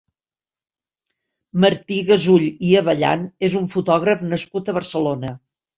Martí Gasull i Avellán és un fotògraf nascut a Barcelona.